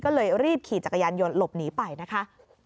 ก็เลยรีบขี่จักรยานยนต์หลบหนีไปนะคะ